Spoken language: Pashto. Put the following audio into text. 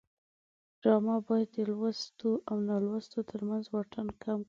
ډرامه باید د لوستو او نالوستو ترمنځ واټن کم کړي